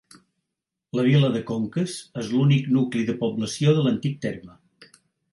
La vila de Conques és l'únic nucli de població de l'antic terme.